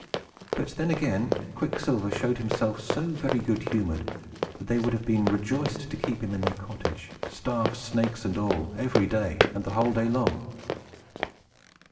But then, again, Quicksilver showed himself so very good humored, that they would have been rejoiced to keep him in their cottage, staff, snakes, and all, every day, and the whole day long.